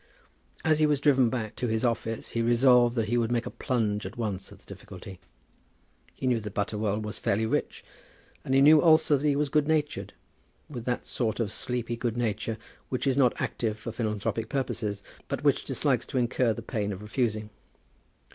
As he was driven back to his office he resolved that he would make a plunge at once at the difficulty. He knew that Butterwell was fairly rich, and he knew also that he was good natured, with that sort of sleepy good nature which is not active for philanthropic purposes, but which dislikes to incur the pain of refusing.